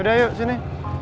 ya udah yuk sini